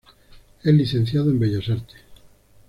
Es Licenciado en Bellas Artes.